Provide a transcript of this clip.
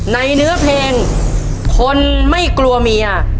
เนื้อเพลงคนไม่กลัวเมีย